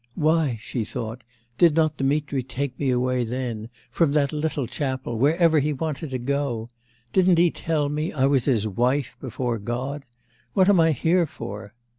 'Why,' she thought, 'did not Dmitri take me away then, from that little chapel, wherever he wanted to go? Didn't he tell me I was his wife before God? What am I here for?